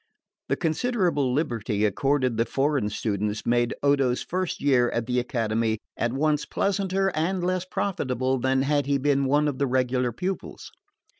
The considerable liberty accorded the foreign students made Odo's first year at the Academy at once pleasanter and less profitable than had he been one of the regular pupils.